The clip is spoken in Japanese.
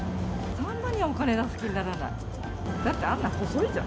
サンマにはお金出す気にならない。